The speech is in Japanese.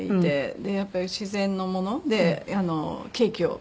やっぱり自然のものでケーキを。